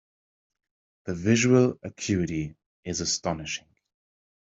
The visual acuity is astonishing.